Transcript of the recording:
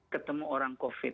ketemu orang covid